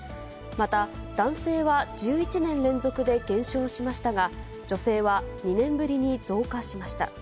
また、男性は１１年連続で減少しましたが、女性は２年ぶりに増加しました。